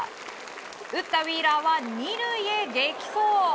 打ったウィーラーは２塁へ激走。